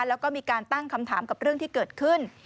แล้วก็มีการตั้งคำถามกับเรื่องที่เกิดขึ้น